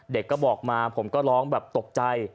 เด็กก็บอกมาผมก็ร้องแบบตกใจ